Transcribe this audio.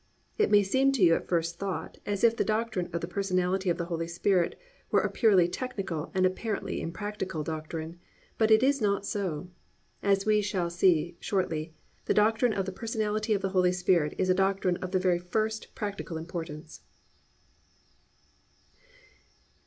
It may seem to you at first thought as if the doctrine of the Personality of the Holy Spirit were a purely technical and apparently impractical doctrine, but it is not so. As we shall see shortly, the doctrine of the Personality of the Holy Spirit is a doctrine of the very first practical importance.